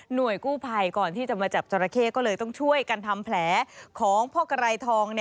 หน่วยกู้ภัยก่อนที่จะมาจับจรเข้ก็เลยต้องช่วยการทำแผลของพครายทอง